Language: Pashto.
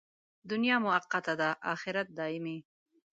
دنیا موقته ده، اخرت دایمي.